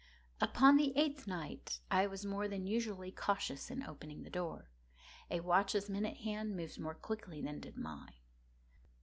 Upon the eighth night I was more than usually cautious in opening the door. A watch's minute hand moves more quickly than did mine.